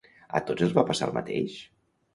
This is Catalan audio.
A tots els va passar el mateix?